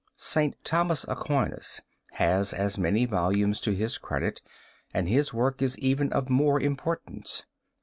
St. Thomas Aquinas has as many volumes to his credit and his work is even of more importance.